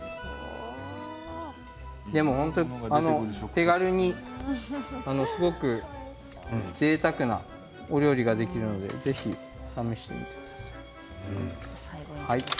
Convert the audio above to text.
手軽に、すごくぜいたくなお料理ができるのでぜひ試してみてください。